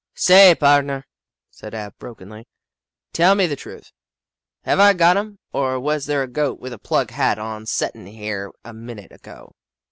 "Say, pardner," said Ab, brokenly, "tell me the truth. Have I got 'em, or was there a Goat with a plug hat on settin' here a minute ago?"